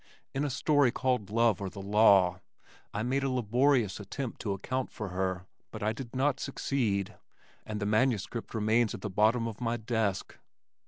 In a story called Love or the Law I once made a laborious attempt to account for her, but I did not succeed, and the manuscript remains in the bottom of my desk.